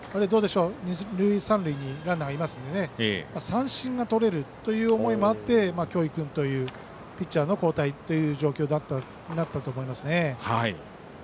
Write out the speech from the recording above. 二塁三塁にランナーがいますので三振が取れるという思いもあって京井君というピッチャーの交代となったと思いますね。